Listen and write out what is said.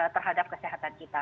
terhadap kesehatan kita